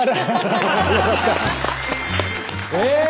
え！